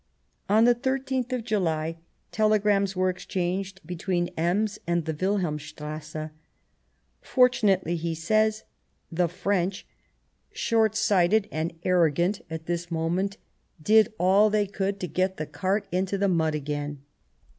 On the 13th of July telegrams were exchanged between Ems and the Wilhelmstrasse. " Fortun ately." he says, " the French, short sighted and 126 The War of 1870 arrogant, at this moment did all they could to get the cart into the mud again."